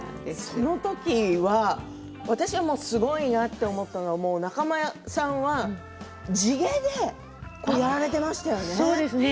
そのときは私が、すごいなと思ったのは仲間さんは地毛でやられていましたよね。